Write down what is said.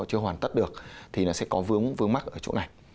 chưa hoàn tất được thì nó sẽ có vướng vướng mắt ở chỗ này